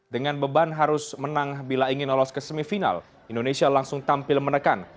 dengan beban harus menang bila ingin lolos ke semifinal indonesia langsung tampil menekan